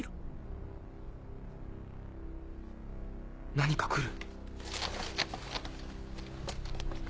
何か来る。